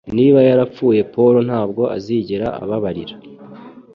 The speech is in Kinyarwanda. Niba yarapfuye, Paul ntabwo azigera ababarira.